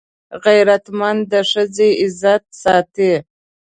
غیرتمند د ښځې عزت ساتي